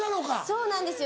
そうなんですよ。